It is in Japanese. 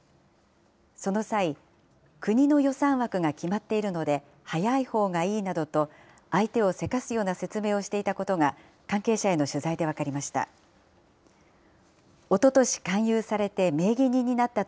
その際、国の予算枠が決まっているので早いほうがいいなどと、相手をせかすような説明をしていたことが、関係者への取材で分かりました。